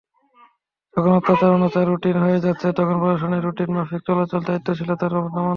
যখন অত্যাচার-অনাচার রুটিন হয়ে যাচ্ছে, তখন প্রশাসনের রুটিন মাফিক চালচলন দায়িত্বশীলতার নামান্তর।